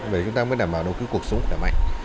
vậy chúng ta mới đảm bảo đồng ký cuộc sống khỏe mạnh